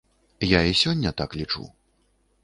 Я і сёння так лічу.